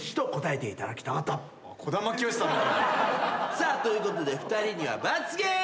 さあということで２人には罰ゲーム！